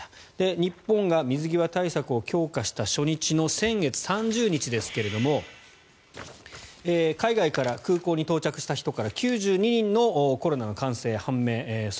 日本が水際対策を強化した初日の先月３０日ですが海外から空港に到着した人から９２人のコロナの感染が判明。